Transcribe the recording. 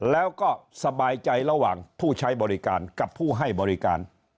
แล้วก็สบายใจระหว่างผู้ใช้บริการกับผู้ให้บริการ